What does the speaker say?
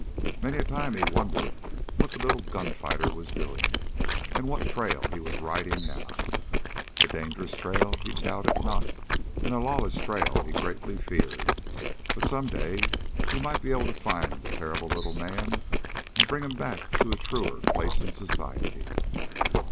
Many a time he wondered what the little gunfighter was doing, and what trail he was riding now. A dangerous trail, he doubted not, and a lawless trail, he greatly feared. But someday he might be able to find the terrible little man and bring him back to a truer place in society.